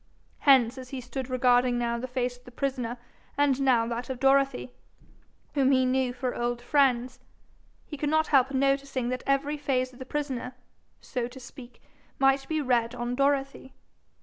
Hence as he stood regarding now the face of the prisoner and now that of Dorothy, whom he knew for old friends, he could not help noticing that every phase of the prisoner, so to speak, might be read on Dorothy.